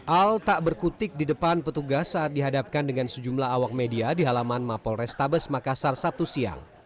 al tak berkutik di depan petugas saat dihadapkan dengan sejumlah awak media di halaman mapol restabes makassar sabtu siang